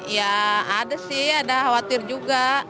ya ada sih ada khawatir juga